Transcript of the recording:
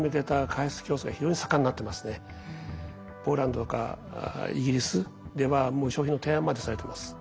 ポーランドとかイギリスでは商品の提案までされてます。